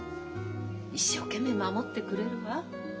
一生懸命守ってくれるわ。